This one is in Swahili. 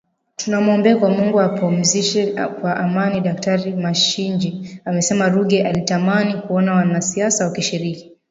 tunamwombea kwa Mungu ampumzishe kwa amani Daktari Mashinji amesema Ruge alitamani kuona wanasiasa wakishiriki